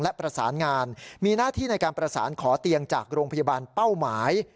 และประสานงานมีหน้าที่ในการประสานขอเตียงจากโรงพยาบาลเป้าหมาย